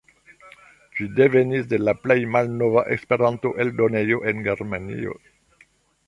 Ĝi devenis de la plej malnova Esperanto-eldonejo en Germanio.